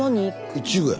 イチゴや。